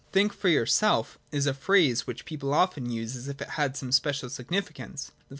Think for yourself, is a phrase which people often use as if it had some special significance. The fact 33 24.